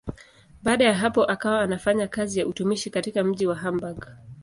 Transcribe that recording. Baada ya hapo akawa anafanya kazi ya utumishi katika mji wa Hamburg.